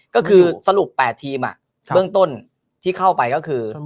ก็คือสรุป๘ทีมเบื้องต้นที่เข้าไปก็คือ